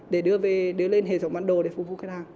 để đưa lên hệ thống bản đồ để phục vụ khách hàng